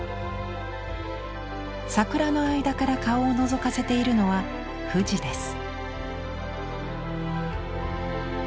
桜の間から顔をのぞかせているのは富士です。